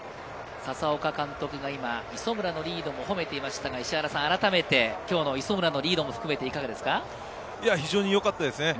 佐々岡監督が磯村のリードを褒めていましたが、今日の磯村のリードも含めていかがですか。